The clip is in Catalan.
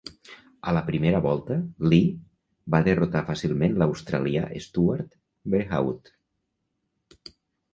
A la primera volta, Lee va derrotar fàcilment l'australià Stuart Brehaut.